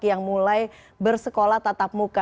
yang mulai bersekolah tatap muka